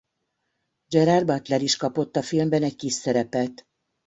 Gerard Butler is kapott a filmben egy kis szerepet.